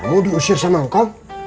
kamu diusir sama engkau